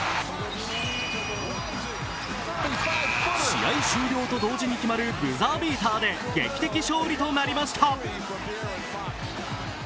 試合終了と同時に決まるブザービーターで劇的勝利となりました。